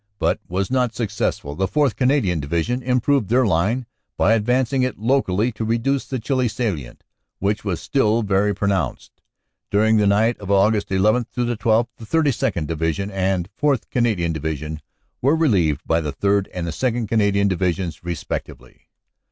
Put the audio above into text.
but was not successful. The 4th. Canadian Division improved their line by advanc ing it locally to reduce the Chilly salient, which was still very pronounced. During the night of Aug. 11 12 the 32nd. Divi sion and 4th. Canadian Division were relieved by the 3rd. and 2nd. Canadian Divisions respectively."